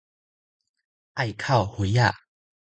愛哭妃仔